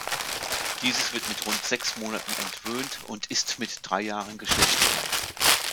Dieses wird mit rund sechs Monaten entwöhnt und ist mit drei Jahren geschlechtsreif.